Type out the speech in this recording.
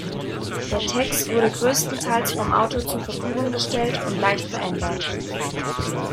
Der Text wurde größtenteils vom Autor zur Verfügung gestellt, und leicht verändert.